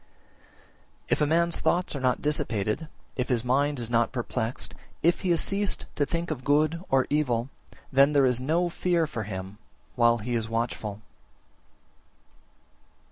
39. If a man's thoughts are not dissipated, if his mind is not perplexed, if he has ceased to think of good or evil, then there is no fear for him while he is watchful.